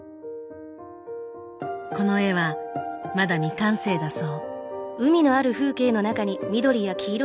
この絵はまだ未完成だそう。